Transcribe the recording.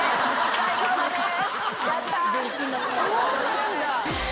そうなんだ。